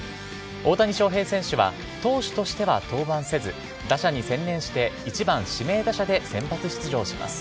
大谷翔平選手は、投手としては登板せず、打者に専念して、１番指名打者で先発出場します。